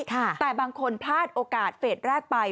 แต่บางคนพลาดโอกาสเฟสแรกไป